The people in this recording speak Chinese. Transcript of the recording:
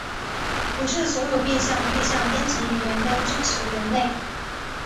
不是所有面向对象编程语言都支持元类。